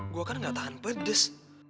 gue kan gak tahan pedes